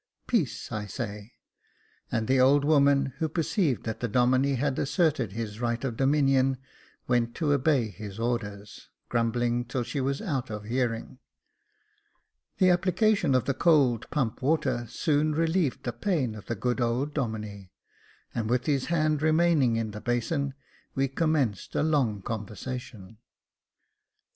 Peace, I say ;" and the old woman, who perceived that the Domine had asserted his right of dominion, went to obey his orders, grumbling till she was out of hearing. The application of the cold pump water soon relieved the pain of the good old Domine, and, with his hand remaining in the basin, we commenced a long conversation.